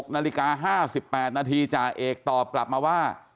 ๖นาฬิกา๕๘นาทีจ่าเอกตอบกลับมาว่า